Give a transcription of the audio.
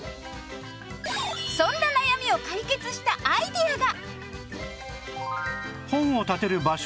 そんな悩みを解決したアイデアが